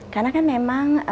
karena kan memang